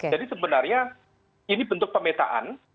jadi sebenarnya ini bentuk pemetaan